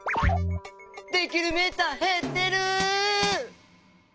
できるメーターへってる！